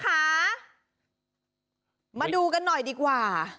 มาดูกันหน่อยดีกว่า